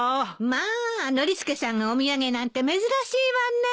まあノリスケさんがお土産なんて珍しいわね。